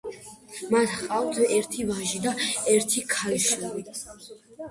მათ ჰყავთ ერთი ვაჟი და ერთი ქალიშვილი.